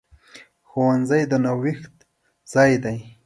ښوونځی د نوښت ځای دی.